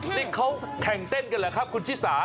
นี่เขาแข่งเต้นกันเหรอครับคุณชิสา